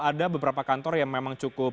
ada beberapa kantor yang memang cukup